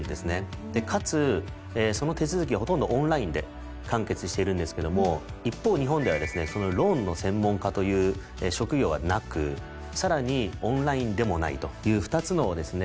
でかつその手続きはほとんどオンラインで完結しているんですけども一方日本ではですねローンの専門家という職業がなくさらにオンラインでもないという２つのですね